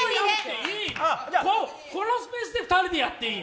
このスペースで２人でやっていい。